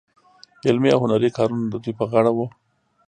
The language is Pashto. علمي او هنري کارونه د دوی په غاړه وو.